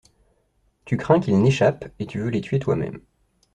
Tu crains qu'ils n'échappent, et tu veux les tuer toi-même.